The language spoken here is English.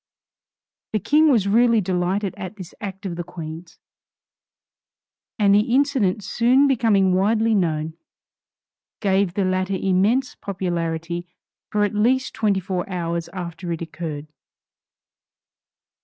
The King was really delighted at this act of the Queen's, and the incident soon becoming widely known, gave the latter immense popularity for at least twenty four hours after it occurred.